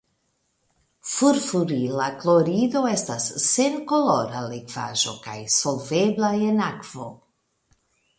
Furfurila klorido estas senkolora likvaĵo kaj solvebla en akvo.